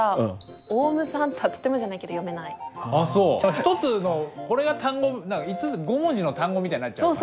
一つのこれが単語５文字の単語みたいになっちゃうのかな？